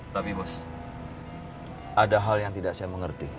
tapi bos ada hal yang tidak saya mengerti